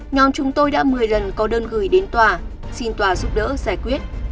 nhóm chúng tôi đã một mươi lần có đơn gửi đến tòa xin tòa giúp đỡ giải quyết